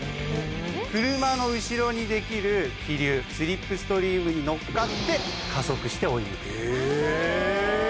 車の後ろにできる気流スリップストリームに乗っかって加速して追い抜く。